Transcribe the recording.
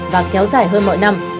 và kéo dài hơn mỗi năm